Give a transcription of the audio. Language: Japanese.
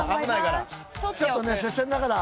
ちょっとね接戦だから。